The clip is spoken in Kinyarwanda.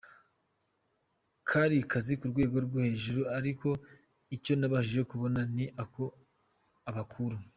kari kazi ko rwego rwo hejuru ariko icyo nabashije kubona ni uko abakuru.